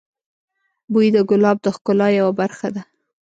بوی د ګلاب د ښکلا یوه برخه ده.